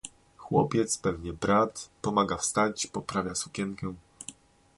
"Chłopiec, pewnie brat, pomaga wstać, poprawia sukienkę."